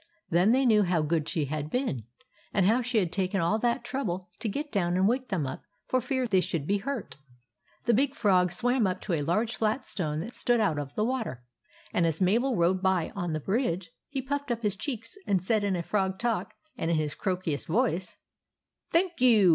Then they knew how good she had been, and how she had taken all that trouble to get down and wake them up for fear they should be hurt. The Big Frog swam up to a large flat stone that stood out of the water, and as Mabel rode by on the bridge, he puffed up his cheeks and said in frog talk and in his croakiest voice —" Thank you